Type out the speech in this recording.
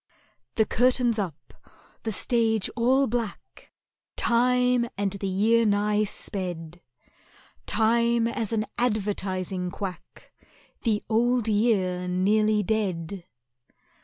The curtain's up—the stage all black— Time and the year nigh sped— Time as an advertising quack— The Old Year nearly dead.